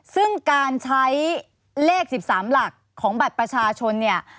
ซึ่งการใช้เลข๑๓หลักของบัตรประชาชนเนี่ย